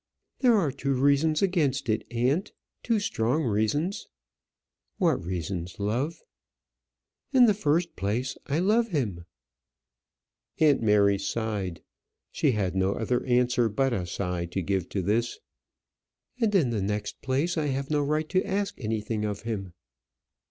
"There are two reasons against it, aunt; two strong reasons." "What reasons, love?" "In the first place, I love him." Aunt Mary sighed. She had no other answer but a sigh to give to this. "And in the next place, I have no right to ask anything of him."